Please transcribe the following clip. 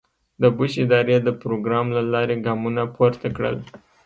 د بوش ادارې د پروګرام له لارې ګامونه پورته کړل.